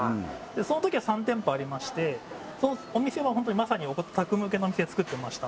そのときは３店舗ありましてそのお店は本当にまさにオタク向けのお店つくってました